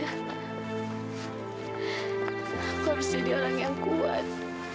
aku harus jadi orang yang kuat